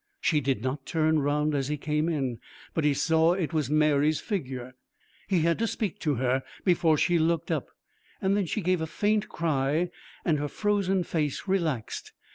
She did not turn round as he came in, but he saw it was Mary's figure. He had to speak to her before she looked up. Then she gave a faint cry and her frozen face relaxed.